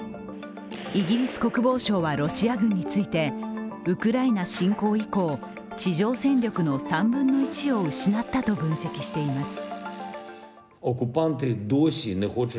イギリス国防省は、ロシア軍についてウクライナ侵攻以降地上戦力の３分の１を失ったと分析しています。